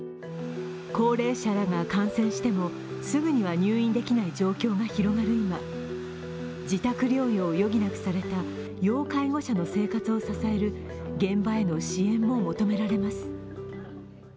高齢者らが感染しても、すぐには入院できない状況が広がる今、自宅療養を余儀なくされた要介護者の生活を支える現場への支援も求められます。